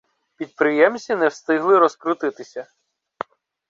Підприємці не встигли розкрутитися